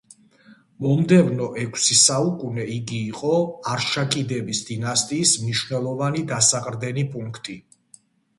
მომდევნო ექვსი საუკუნე იგი იყო არშაკიდების დინასტიის მნიშვნელოვანი დასაყრდენი პუნქტი.